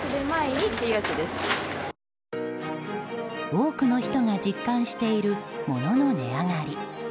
多くの人が実感している物の値上がり。